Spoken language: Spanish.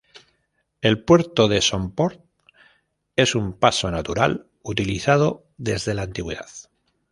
El puerto de Somport es un paso natural utilizado desde la antigüedad.